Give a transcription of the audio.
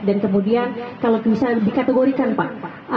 dan kemudian kalau bisa dikategorikan pak